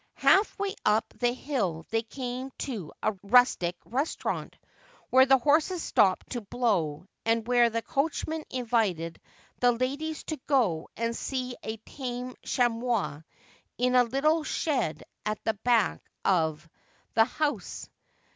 Half way up the hill they came to a rustic restaurant, where the horses stopped to blow, and where the coachman invited the ladies to go and see a tame chamois in a little shed at the back of the house.